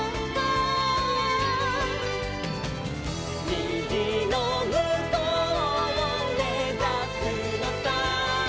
「にじのむこうをめざすのさ」